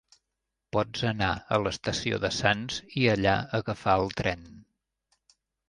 Pots anar a l'Estació de Sants i allà agafar el tren.